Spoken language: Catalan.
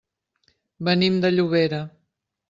Venim de Llobera.